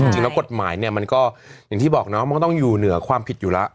จริงแล้วกฎหมายเนี่ยมันก็อย่างที่บอกเนาะมันก็ต้องอยู่เหนือความผิดอยู่แล้ว